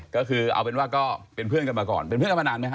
ก็คือเอาเป็นว่าก็เป็นเพื่อนกันมาก่อนเป็นเพื่อนกันมานานไหมฮ